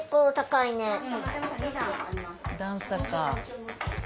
段差か。